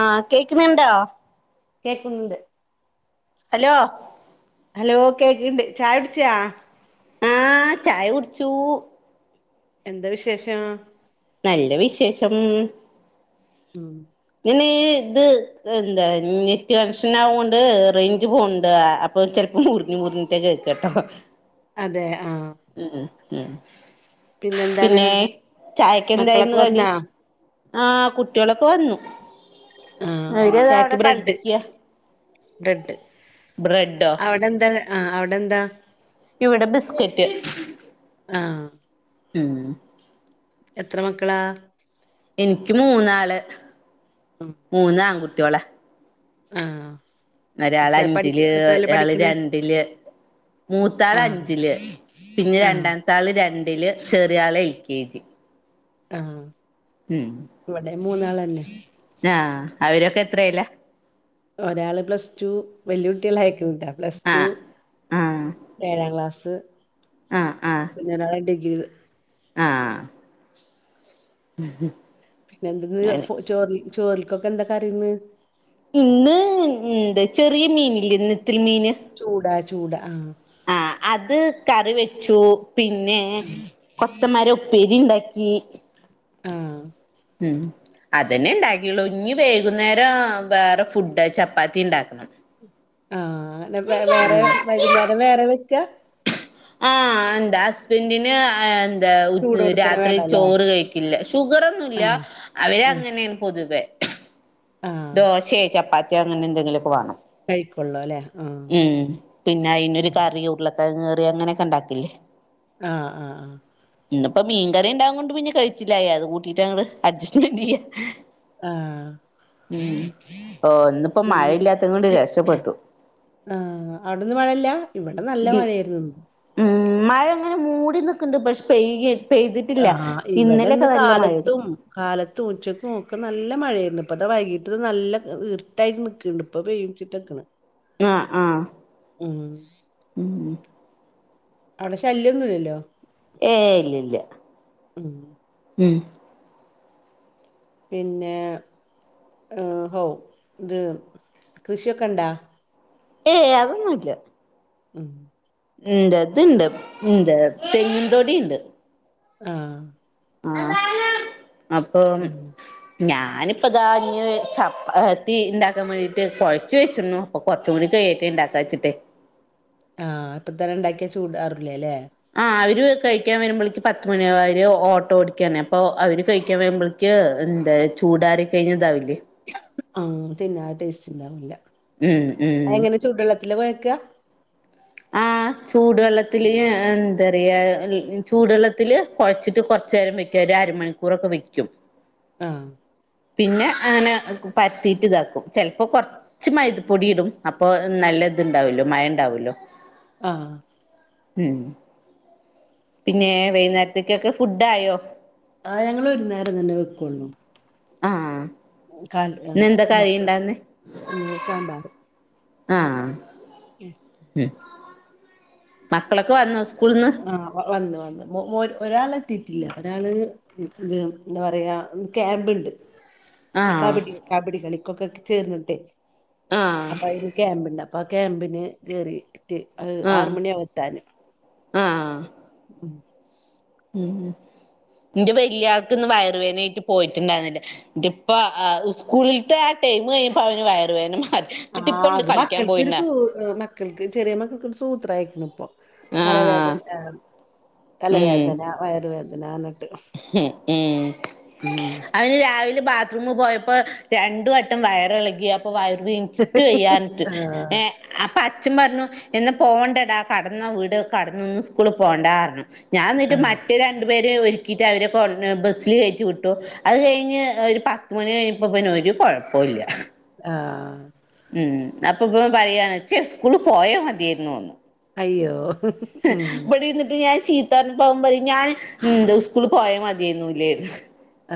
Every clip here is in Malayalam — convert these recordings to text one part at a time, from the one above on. ആഹ കേക്കുന്നുണ്ടോ കേക്കുന്നുണ്ട് ഹലോ ഹലോ കേക്കണ്ട് ചായ കുടിച്ചൊ ആഹ് ചായ കുടിച്ചു എന്താ വിശേഷം നല്ല വിശേഷം [unintelligible] പിന്നെ ഇത് എന്ത് നെറ്റ് കൻഷൻ ആവോണ്ട് റേഞ്ച് പോവണ്ട് [unintelligible] ചെലപ്പോ മുറിഞ്ഞു മുറിഞ്ഞിട്ട് കേക്കാട്ടോ അതെ ആ ഉം ഉ പിന്നെന്താണ് പിന്നെ ചായക്ക് എന്തായിരുന്നു മക്കളൊക്കെ കടി വന്നാ ആഹ കുട്ടികളൊക്കെ വന്നു ആഹ് അവര്താ അവിടെ കളിക്ക ബ്രഡ് ബ്രെണ്ടോ അവിടെന്താ ആ അവിടെന്താ ഇവിടെ ബിസ്കെറ്റ് ആഹ് ഉം എത്ര മക്കളാ എനിക്ക് മൂന്നാള് ഉം മൂന്ന് ആൺകുട്ട്യോള ആഹ് ഒരാള് എത്ര പഠി അഞ്ചില് എത്രേലാ ഒരാള് പഠിക്കണ് രണ്ടില് മൂത്താള് ആഹ് അഞ്ചില് പിന്നെ ആഹ് രണ്ടാം ത്താൾ രണ്ടില് ചെറിയ ആള് എൽ കെ ജി ആഹ് ഉം ഇവിടെ മൂന്നാളന്നെ ആഹ് അവരൊക്കെ എത്രേല ഒരാള് പ്ലസ്റ്റു. വല്യ കുട്ട്യേളായിക്ക്ന് ട്ടോ പ്ലാസ്റ്റു ആഹ് ആഹ് ഏഴാം ക്ലാസ് ആഹ് ആഹ് പിന്നേ രാള് ഡിഗ്രി ആഹ് ഉം ഹം [inaudible] പിന്നെ എന്ത ഇന്ന് ചോറി ചോറിക്കൊക്കെ എന്തൊ കറിന്ന് ഇന്ന് ഇന്ത് ചെറിയ മീന് ഇല്ലേ ഇന്നത്തിൽ മീന് ചൂടാ ചൂടാ ആഹ് ആഹ് അത് കറി വെച്ചു പിന്നെ കൊത്തന്മരെ ഉപ്പേരി ഇണ്ടാക്കി ആഹ് ഉം അതെന്നെ ഉണ്ടാക്കിയുള്ളു. ഇഞ്ഞ് വൈകുന്നേരം ബേറെ ഫുഡ് ചപ്പാത്തി ഇണ്ടാക്കണം ആഹ് വേറെ വൈകുന്നേരം വേറെ വെക്കാ ആഹ് എന്ത അസ്ബൻഡിന് [unintelligible] ചൂടോട്ക്കനെ രാത്രി വേണല്ലേ ചോറ് കഴിക്കില്ല. ഷുഗറൊന്നുല്ല. ആഹ് അവര് ആഹ് അങ്ങനേണ് പൊതുവേ ആഹ് ദോശെ ചപ്പാത്ത്യാെ അങ്ങനെ എന്തെങ്കിലൊക്കെ വാണം. കഴിക്കൊള്ളൂ അല്ലേ ആഹ് ഉം. പിന്നെ അയിനൊരു കറി ഉരുളക്കെഴങ്ങ് കറി അങ്ങനെ ഒക്കെ ഉണ്ടാക്കില്ലേ ആഹ് ആഹ് ആഹ് ഇന്ന്പ്പം മീൻ കറി ഉണ്ടാവൂണ്ട് പിന്നെ കഴിച്ചിലായി. അത് കൂട്ടിട്ട് അങ്ങട്ട് അഡ്സ്റ്റ്മെന്റ് ചെയ്യ ആഹ് ഉം ഇന്ന് ഉം ആഹ് അവിട് ഇന്ന് മഴല്ല ഇവിടെ നല്ല ഇ- മഴയായിര്ന്നു ഇന്ന് ഉം മഴ ഇങ്ങനെ മൂടി നിക്ക്നണ്ട്. പക്ഷെ പെയ് പെയ്തിട്ട്ല്ല. ഇന്നലെ ഒക്കെ നല്ല മഴേ നു കാലത്ത് ഉച്ചക്ക് ഒക്കെ നല്ല മഴയായിരുന്നു. ഇപ്പ അത് വൈകീട്ട് നല്ല ഇർട്ടായിട്ട് നിക്ക്ണ്ട് ഇപ് ഇപ്പ പേയ്യും ചിട്ടക്ക്ണെ അഹ് ആഹ് ഉം ഉം [inaudible] അവിടെ ശല്യൊന്നു ഇല്ലല്ലോ ഏഹ് ഇല്ല ഇല്ല ഉം ഉം പിന്നെ ഉം ഓഹ് ഇത് കൃഷിയൊക്കെ ഇണ്ടോ ഏയ് അതൊന്നു ഇല്ല ഉം ഇജർത്ത്ണ്ട് ഇഞ്ചെ തെങ്ങിൻന്തോടിയുണ്ട് ആഹ് ആഹ അപ്പൊ ഉം ഞാനിപ്പ ഇതാ ഇ ചപ്പത്തി ഉണ്ടാക്കാൻ വേണ്ടീട്ട് കുഴച്ച് വെച്ചിരുന്നു അപ്പ കൊറച്ചുണി കയറ്റി ഉണ്ടാക്കാ വച്ചിട്ട് ആഹ് ഇപ്പൊത്തന്നെ ഉണ്ടാക്കിയാ ചൂടാറില്ലേ അല്ലേ ആ അവര് കഴിക്കാൻ വരുമ്പോഴേക്ക് പത്ത് മണിര് ഓട്ടോ ഓടിക്കണേ അപ്പൊ അവര് കഴിക്കാൻ വരുമ്പോക്ക് ക്ക് എന്താ ചൂടാര കഴിഞ്ഞതാവില്ലേ ആഹ് പിന്നെ ടേസ്റ്റ് ഉണ്ടാവില്ല. ഉം ഉം ചൂടുള്ളത്തില് പോയക്കുക ആഹ് [inaudible] ചൂടുവെള്ളത്തില് എന്താ പറയാുക ചൂടുവെള്ളത്തില്ൽ കുഴച്ചിട്ട് കുറച്ച നേരം പറ്റ ഒരു അര മണി കുറക്ക വയ്ക്കും ആഹ് പിന്നെ അങ്ങനെ പരത്തീട്ട് കോക്കും ചിലപ്പോ കൊ പച്ചി മൈദപൊടിയിടും അപ്പൊ നല്ല ഇതുണ്ടാവല്ലോ മയം ഉണ്ടാവല്ലോ ആഹ് ഉം പിന്നെ വൈകുന്നേരത്തേക്കൊക്കെ ഫുഡ ആയോ ആ് ഞങ്ങള്ൾ ഒരു നേരം തന്നെ വെക്കോള്ളു ആഹ് കാൽ ഇന്ന് എന്താ കറി മക്ക ഇണ്ടാന്ന് സാമ്പാർ ആഹ് [inaudible] ഉം മക്കളൊക്കെ വന്നോ സ്കൂളിൽ നിന്ന് ആഹ് വന്ന് വന്ന് ഒരാൾ എത്തിയിട്ടില്ല ഒരാള് ഇത് എന്താ പറയാ ക്യാമ്പ്ണ്ട് ഈ ആഹ് കബഡി കബഡി കളിക്കൊക്കെ ചേർന്നട്ടെ ആഹ് അപ്പൊ അതിന് ക്യാമ്പ ഉണ്ട അപ്പൊ ക്യാമ്പിന് കറിട്ട് ആഹ് ആറുമണിയകു എത്താന് ആഹ് ഉം ഉം ഇന്റെ വലിയ ആൾക്ക് ഇന്ന് വയറുവേദ ആായിട്ട് പോയിട്ടുണ്ടായിരുന്നില്ല ഇപ്പ സ്കൂളിലത്തെ ആ ടൈം കഴിയുമ്പ അവന് വയറ വേദന ആ അത് മക്കൾക്ക്രു സൂ മക്കൾക്ക് ചെറിയ മക്കൾക്ക്രു സൂത്ര അയക്കണ ഇപ്പൊ ആഹ് തലവേദന തലവേദന വയറുവേദന എന്നിട്ട് ഉം ഉം അവന് രാവിലെ ബാത്റൂമിൽ പോയപ്പോ രണ്ടു വട്ടം വയറി ഇളകിയ അപ്പോ വയറ് ട്ട് കയ്യാനിട്ട് ആഹ് ഏ അപ്പൊ അച്ഛൻ പറഞ്ഞു എന്ന പോവണ്ടടാ കടന്നാ വീട് കടന്നൊന്ന സ്കൂള പോണ്ട പറഞ്ഞു ഞാൻ എന്നന്നിട്ട് ആഹ് മറ്റേ രണ്ടു പേര് ഒരുക്കിയിട്ട് അവരെ കൊ ബസ്സിൽ കയറ്റി വിട്ടു അത് കഴിഞ്ഞ് ഒരു പത്ത് മണി കഴിഞ്ഞപ്പോ പിന്ന ഒരു കുഴപ്പ ഇില്ല ആഹ.... ഉം അപ്പ ഇപ്പ പറയയാണെച്ച സ്കൂള് പോയേ മതിായിരുന്നു അയ്യോ ഉം ഇടെന്നിട്ട് ഞാൻ ചീ പോകുമ്പോഴ ഞാൻന്ത സ്കൂള പോയൽ മതിയന്നൂല്ലന്ന്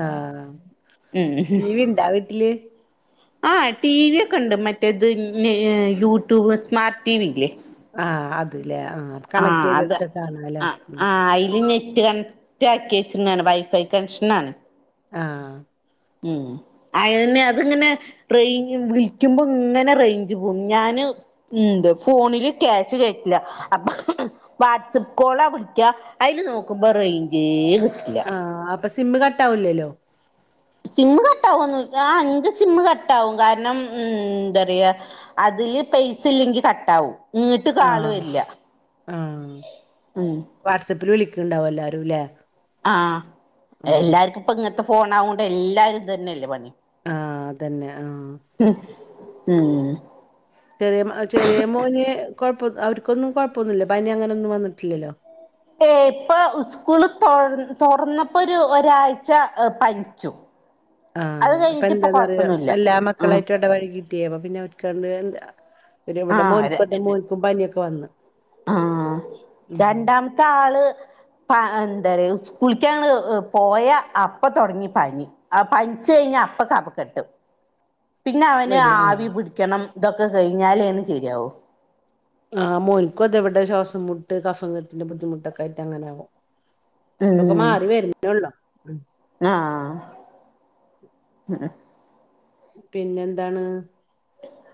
ആഹ ടിവിണ്ടാ വീട്ടില് ആ ടി വി ഒക്കെ ഉണ്ട് മറ്റേത് യൂട്യൂബ് സ്മാർട്ട് ടിവി ഇല്ലേ ആഹ അതല്ലേ ആ ആ അത് ആ ആ അതിൽ ഞെട്ട ക ചാക്കേച്ചന ആണ് വൈഫൈ കണക്ഷൻ ആണ് ആഹ് ഉം അയന്നെ അതിങ്ങ്നെ റെയ്ഞ് വിളിക്കുമ്പോ ഇങ്ങനെ റെയിഞ്ച് പോകും ഞാന് ഉം ഇത് ഫോണില് ക്യാഷ് കഴറ്റില്ല അപ്പ വാട്സഅപ്പ് കോളാ വിളിക്ക അതിന് നോക്കുമ്പോ റയിഞ്ചേ കി ആഹ് അപ്പൊ സിമ്മ് കട്ട ആവൂല്ലല്ലോ സിമ്മ് കട്ട ആവൊന്നു ആ ഇഞ്ചേ സിമ്മ് കട്ട ആവും കാരണം ഉം എന്ത പറയാ അതില് പൈസ ഇല്ലെങ്കി കട്ട ആവും ഇങ്ങട്ട് ആഹ് കാളുവരില്യ ഉം വാട്സ്അപ്പിൽ വിളിക്ക്ണ്ടാവും എല്ലാരുംല്ലെ? ആഹ് എല്ലാർക്കും ഇപ്പ ഇങ്ങത്തെ ഫോൺ ആവോണ്ട് എല്ലാരും ഇത് തന്നെയല്ലേ പണി ആഹ് അതന്നെ ആഹ് ഉം ചെറിയ ചെറിയ മോന് കൊഴപ്പ അവർക്കൊന്നും കൊഴപ്പൊന്നുല്ല പനി അങ്ങനൊന്നും വന്നിട്ടില്ലല്ലോ? ഏഹ് ഇപ്പൊ സ്കൂള് തൊർ തൊറന്നപ്പൊ ഒരു ഒരാഴ്ച പൻച്ചു ആഹ് അപ്പൊ എന്താന്നറിയോ എല്ലാ ആഹ് മക്കളായിട്ടും എട വഴകീറ്റെയ് അപ്പൊ പിന്നെ ഒൽക്കണ്ട് അ ഒരു ഇവിടെ മോൻപ്പത് ആഹ് മോൻക്കും പനിയൊക്കെ വന്ന് ആഹ് ഉം രണ്ടാമത്തെ ആള് എന്തറിയോ സ്കൂളിക്കാണ് പോയ അപ്പ തൊടങ്ങി പനി ആ പൻച്ച് കഴിഞ്ഞ അപ്പ കഫ കെട്ടും [inaudible] പിന്നെ അവന് വരും ആഹ് ആവി പിടിക്കണം ഇതൊക്കെ കഴിഞ്ഞാലെ ഒന്ന് ശരിയാവു ആഹ് മോൻക്കും അതെവിടെ ശ്വാസം മുട്ട് കഫ കെട്ടിന്റെ ബുദ്ധിമുട്ടൊക്കെ ആയിട്ടങ്ങനാകും ഇപ്പൊക്കെ ഉം മാറി വരുന്നൊള്ളൂ ഉം ആഹ് പിന്നെന്താണ്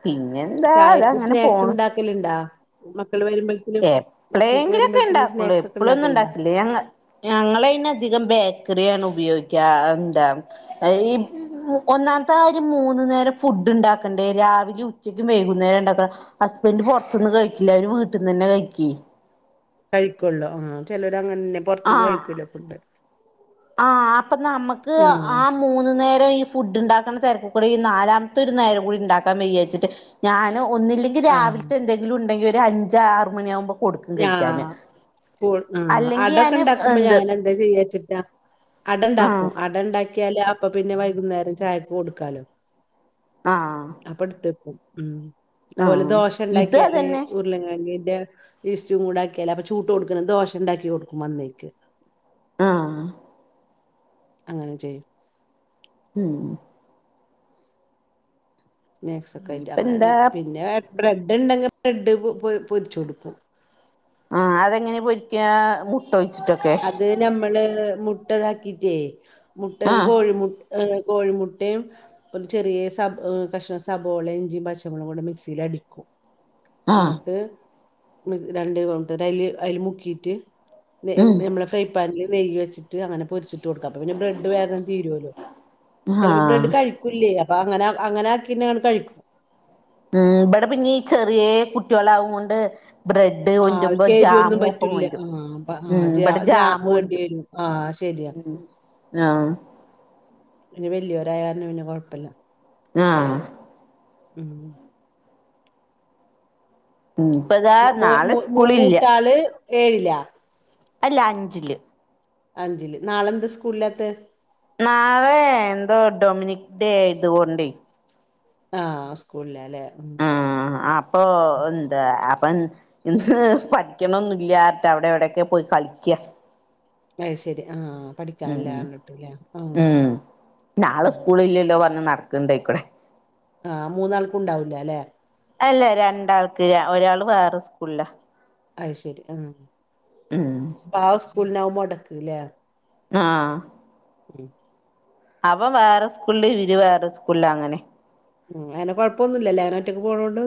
പിന്നെ ചായക്ക് സ്നാക്സ് ഇണ്ടാക്കൽണ്ടാ മക്കള് വരുമ്പോ എപ്പളേങ്കിലൊക്കെ ഇണ്ടാക്കൊള്ളൂ ഒക്കെ എപ്പളൊന്നും ഇണ്ടാക്കലുണ്ടാ? ഇണ്ടാക്കില്ലേ ഞങ്ങ ഞങ്ങളയിന് അധികം ബേക്കറിയാണ് ഉപയോഗിക്കാ എന്താ അ ഈ ഒന്നാമത്തെ കാര്യം മൂന്നു നേരം ഫുഡ് ഇണ്ടാക്കണ്ടേ രാവിലെ ഉച്ചക്കും വൈകുന്നേരം ഇണ്ടാക്കണം ഹസ്ബന്റ പൊറത്ത്ന്ന് കഴിക്കില്ല അവര് വീട്ട്ന്നെന്നെ കഴിക്കെയ് കഴിക്കൊള്ളോ ആ ചെലോര് അങ്ങനന്നെ പൊറത്ത്ന്ന് ആഹ് കഴിക്കൂല ഫുഡ് ആഹ് അപ്പ നമ്മക്ക് ആഹ് ആ മൂന്ന് നേരം ഈ ഫുഡ് ഇണ്ടാക്ക്ണെ തെരക്കുക്കൂടെ ഈ നാലാമത്തെ ഒരു നേരം കൂടി ഇണ്ടാക്കാൻ വയ്യാച്ചിട്ട് ഞാന് ഒന്നില്ലെങ്കി ആഹ് രാവിൽത്തെ എന്തെങ്കിലും ഇണ്ടെങ്കി ഒരു അഞ്ച് ആറ് മണിയ ആവുമ്പോ കൊടുക്കും ഞാ കഴിക്കാന് അല്ലെങ്കി ഞാന് എന്ത് ചെയ്യ വെച്ച്ട്ടാ അട ഇണ്ടാക്കും ആഹ് അട ഇണ്ടാക്കിയാല് അപ്പ പിന്നെ വൈകുന്നേരം ചായക്ക് കൊടുക്കാലോ? ആഹ് അപ്പട്ത്തെക്കും ഉം അത്പോലെ ആഹ് ദോശ ഇത് ഇണ്ടാക്കിയാല് അതന്നെ ഉർലങ്ങെങ്ങിന്റെ ഈസ്റ്റും കൂട ആക്കിയാല് അപ്പ ചൂട്ടോട്കെനെ ദോശ ഇണ്ടാക്കി കൊടുക്കും വന്നേക്ക് ആഹ് അങ്ങനെ ചെയ്യും ഉം സ്നാക്സ് ഒക്കെ ആയിട്ട് ഇനിയിപ്പ അങ്ങനെ എന്താ പിന്നെ ബ്രെഡ് ഇണ്ടെങ്കി ബ്രെഡ് പൊരിച്ച് കൊടുക്കും. ആ അതെങ്ങനെ പൊരിക്കാ മുട്ട ഒഴിച്ചിട്ടൊക്കെ ത് നമ്മള് മുട്ടതാക്കിട്ടേ മുട്ട ആഹ് കോഴിമു ഏ കോഴിമുട്ടയും ഒരു ചെറിയ സബ് ഏ കഷ്ണം സവോളിം ഇഞ്ചിം പച്ചമുളകും കൂടെ മിക്സിയിൽ അടിക്കും ആഹ് ന്നട്ട് ന്ന രണ്ട് [unintelligible] ട്ട അയ്ല് അയ്‌ല് മുക്കീട്ട് ഉം [unintelligible] നമ്മളെ ഫ്രൈപാനില് നെയ്യ് വെച്ചിട്ട് അങ്ങനെ പൊരിച്ചും ത്ത് കൊടുക്ക അപ്പ പിന്നെ ബ്രെഡ് വേഗം തീരോല്ലോ. ചെലപ്പോ ആഹ് ബ്രെഡ് കഴ്- കുല്ലേ അപ്പൊ അങ്ങനെ അങ്ങനെ ആക്കീനാ കഴിക്കും ഉം, ഇബടെ പിന്നെ ഈ ചെറിയേ കുട്ടിയളാവും കൊണ്ട് ബ്രഡ- ഡ്ഡ് ആഹ് കൊണ്ടരുബോ അവർക്ക് എരിവൊന്നും ജാമും ഒപ്പം പറ്റൂല്ല കൊണ്ടരും. ആഹ് ഉം, ആഹ് ജാ ഇവിടെ ജാം ജാമ് വേണ്ടി കൊണ്ടരും. വരും ആഹ് ശരിയാ ഉം ആഹ് പിന്നെ വല്ല്യൊരായരണം പിന്നെ കുഴപ്പല്ല ആഹ് ഉം ഉം, ഇപ്പതാ മ മോ മൂ നാളെ മൂ സ്കൂളില്ല മൂത്താള് ഏഴിലാ അല്ല അഞ്ചില് അഞ്ചില്, നാളെന്താ സ്കൂളിലാത്തേ? നാളെ എന്തോ ഡൊമിനിക് ഡേ ആയതുകൊണ്ടേ ആഹ്, സ്കൂളില്ലല്ലേ. ഉം ആഹ്, അ ആ അപ്പം എന്താ അപ്പം എ ഇന്ന് പഠിക്ക്ണൊന്നില്ലാത്ത അവിടെ എവിടെക്കൊ പോയി കളിക്ക്യാ അത് ശരി ആഹ് പഠിക്കാനില്ലാ ഉം, പറഞ്ഞിട്ടില്ലേ ആഹ് ഉം. നാളെ ഉം സ്കൂളില്ലല്ലോ പറഞ്ഞ് നടക്ണ്ടയ്ക്കൂടെ ആഹ്, മൂന്നാൾക്കുംണ്ടാവൂലല്ലേ അല്ല, രണ്ടാൾക്ക് ഒരാള് വേറെ സ്കൂൾലാ അത് ശരി ആ, ഉം പ്പ ആസ്കൂൾ നാവും മൊടക്ക് ല്ലേ ആഹ് [unintelligible] അവൻ വേറെ സ്കൂൾല്, ഇവര്‌ വേറെ സ്കൂൾല് അങ്ങനെ ഉം, അങ്ങനെ കൊഴപ്പൊന്നുംല്ലല്ലേ അവന് ഒറ്റയ്ക്ക് പോണോണ്ട്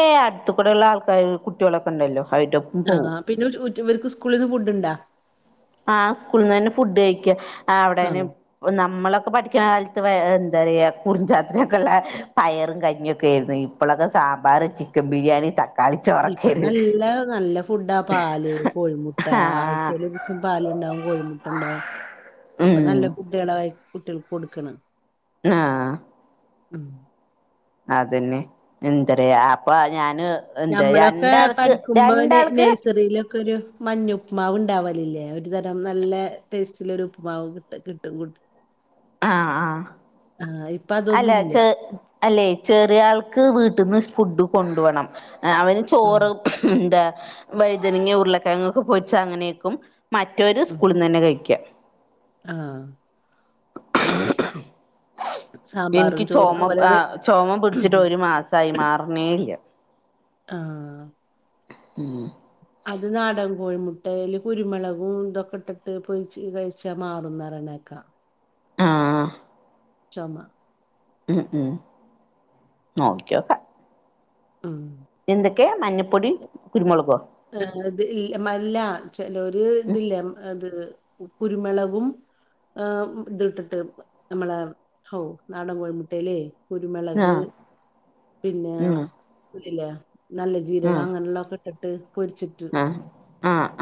ഏ അട്ത്ത് കൂടെയുള്ള ആൾക്കാര് കുട്ടിയളൊക്കെ ഉണ്ടല്ലോ. അവരുടെ ആഹ്, പിന്നെ ഉ ഉച് ഇവര്ക്ക് സ്കൂളിന്ന് ഫുഡ് ഉണ്ടോ? ആഹ്, സ്കൂൾന്ന് തന്നെ ഫുഡ് കഴിക്ക. ആ അവിടേന് ആഹ് നമ്മളൊക്കെ പഠിക്ക്ണ കാലത്ത് എന്താ പറയ, കുറിഞ്ചാത്തനൊക്കെ ഉള്ള പയറും കഞ്ഞിയും ഒക്കെ ആയിരുന്നു. ഇ ഇപ്പളക്കെ സാമ്പാറ്, ചിക്കൻ ബിരിയാണി, ത- ഇപ്പൊ നല്ല നല്ല ഫുഡാ, പാല്, കോഴിമുട്ട ആ ആഴ്ച്ചയിൽ ഒരു ദിവസം പാലുണ്ടാവും കോഴിമുട്ട ഉണ്ടാവും ഇപ്പം ഉം നല്ല ഫുഡ്കളാ ഈ കുട്ടിയൾക്ക് കൊടുക്ക്ണേ ആഹ് [unintelligible] അതെന്നെ, എന്ത്റയാ അപ്പൊ അയ് ഞാന് എന്താ ഞമ്മളൊക്കെ രണ്ടാൾക്ക് പഠിക്കുമ്പം ന രണ്ടാൾക്ക് നഴ്സറിയിലൊക്കൊരു മഞ്ഞ ഉപ്പ്മാവ് ഉണ്ടാവലില്ലേ, ഒരു തരം നല്ല ടേസ്റ്റുള്ള ഒരു ഉപ്പുമാവ് കിട്ട കിട്ടും ആഹ് ആഹ് അല്ല അതൊന്നുല്ല ചെ അല്ലെ ചെറിയ ആൾക്ക് വീട്ടിൽന്ന് ഫുഡ് കൊണ്ടോണം. അവന് ഉം ചോറ്, [unintelligible] എന്താ വൈതനങ്ങ, ഉരുളക്കിഴങ്ങ് ഒക്കെ പോരിച്ച അങ്ങനെയ്ക്കും മറ്റോര് ഉം സ്കൂളിൽന്ന് തന്നെ കഴിക്കും. ആഹ് സാമ്പാറും ഇൻക്ക് ചോറും ചൊമ അതുപോലെ ആ വെ ചൊമപിടിച്ചിട്ട് ഒരു മാസായി, മാറുന്നേ ഇല്ല. ആഹ് ഉം അത് നാടകൻ കോഴിമുട്ട അല്ല കുരുമുളകും ഇതൊക്കെ ഇട്ടിട്ട് പൊയിച്ച് കഴ ചമാറുന്നറണേക്ക ആഹ് ചൊ മ ഉം ഉം നോക്കിയോ ക്ക ഉം എന്തൊക്കെയാ മഞ്ഞൾപ്പൊടി കുരുമുളകോ അത് അല്ല മല്ല ചലര് ഉം ഇതില്ലേ അത് കുരുമളകവും ഹ് ഇത്ട്ടിട്ട് നമ്മള ഹൗ നാടൻ കോഴിമുട്ടല്ലേ കുരുമുളക് ആഹ് പിന്നെ ഉം ഇല്ലേ നല്ല ജീരകം ആഹ് അങ്ങനെയുള്ള ഒക്കെ [unintelligible] പൊരിച്ചിട്ടു ആഹ്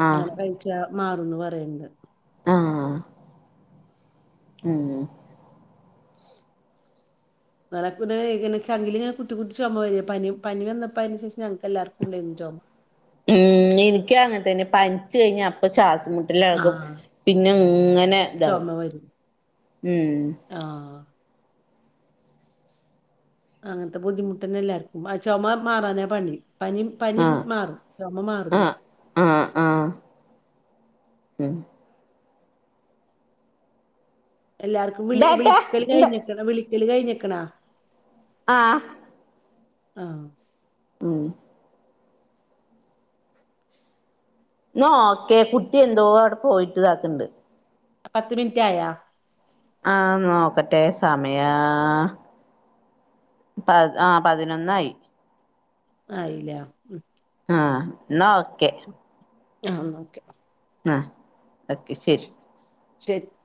ആഹ് അങ്ങനെ കഴിച്ച മാറന്ന് പറയണ്ട് ആഹ് ഉം [unintelligible] ചങ്കിൽ ഇങ്ങനെ കുത്തി കുത്തി ചുമ വരിക പനി പനി വന്നപ്പോ അതിന് ശേഷം ഞങ്ങക്ക് എല്ലാവർക്കും ഉണ്ടായിരുന്നു ചോമ ഉം എനിക്ക് അങ്ങനെ തന്നെ പനിച്ച കഴിഞ്ഞ അപ്പ ശ്വാസ കും ആഹ് പിന്നെ ഇങ്ങനെ ഇതാവും ചുമ വരും ഉം ആഹ് അങ്ങനത്തെ ബുദ്ധിമുട്ടന്നെ എല്ലാർക്കും ആ ചുമ മാറാനേ പണി പനി പനി ആഹ് മാറും ചൊമ്മ മാറില്ല ആഹ് ആഹ് ആഹ് ഉം എല്ലാർക്കും വിളി ഇതാട്ടെ വിളിക്കല് എന്താ കഴിഞ്ഞക്ക വിളിക്കല് കഴിഞ്ഞക്കണാ ആഹ് ആഹ് ഉം നോ ഓക്കേ കുട്ടി എന്തോ അവിടെ പോയിട്ട് ഇതാക്കണ്ട് പത്ത് മിനിറ്റ് ആയാ ആഹ് നോക്കട്ടെ സമയ ആഹ് പതിനൊന്നായി ആയില്ല ഉം ആഹ് എന്നാ ഓക്കെ ആഹ് ഓക്കെ ആഹ് ഓക്കെ ശരി [unintelligible]